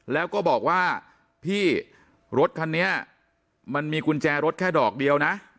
แล้วก็บอกว่าพี่รถคันนี้มันมีกุญแจรถแค่ดอกเดียวนะ